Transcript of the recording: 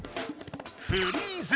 フリーズ。